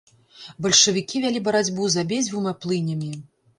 Бальшавікі вялі барацьбу з абедзвюма плынямі.